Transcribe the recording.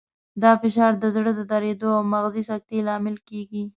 دا فشار د زړه د دریدو او مغزي سکتې لامل کېږي.